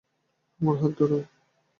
আমার হাত ধরো!